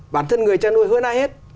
bản thân người cha nuôi hơn ai hết